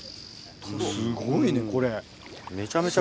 すごいねこれ。